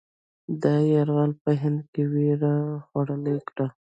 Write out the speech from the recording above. دا یرغل په هند کې وېره خوره کړه.